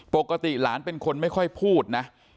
ปกติหลานเป็นคนไม่ค่อยพูดนะ